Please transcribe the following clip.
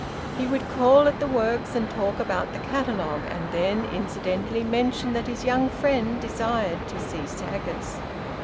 He would call at the works and talk about the catalogue, and then incidentally mention that his young friend desired to see saggers.